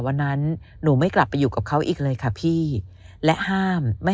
วันนั้นหนูไม่กลับไปอยู่กับเขาอีกเลยค่ะพี่และห้ามไม่